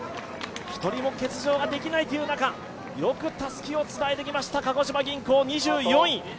１人も欠場ができない中、よくたすきをつなぎました鹿児島銀行、２４位。